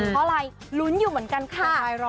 เพราะอะไรลุ้นอยู่เหมือนกันค่ะ